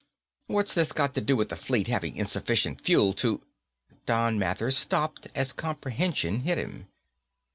"What's this got to do with the Fleet having insufficient fuel to ..." Don Mathers stopped as comprehension hit him.